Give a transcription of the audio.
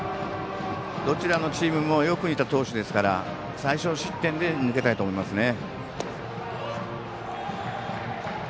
どちらのチームもよく似た投手ですから最少失点で切り抜けたいと思いますね。